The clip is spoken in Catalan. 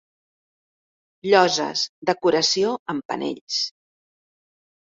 Lloses, decoració amb panells.